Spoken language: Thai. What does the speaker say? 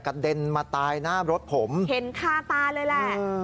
เด็นมาตายหน้ารถผมเห็นคาตาเลยแหละ